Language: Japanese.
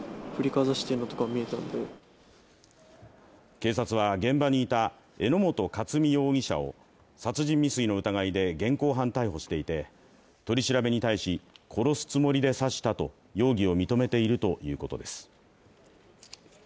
警察は現場にいた榎本勝美容疑者を殺人未遂の疑いで現行犯逮捕していて取り調べに対し殺すつもりで刺したと容疑を認めているということです。